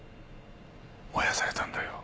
燃やされたんだよ。